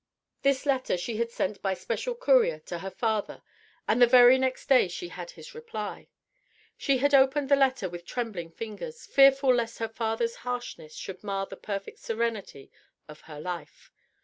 This letter she had sent by special courier to her father and the very next day she had his reply. She had opened the letter with trembling fingers, fearful lest her father's harshness should mar the perfect serenity of her life.